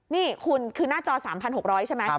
นี่คุณคือหน้าจอ๓๖๐๐ใช่ไหม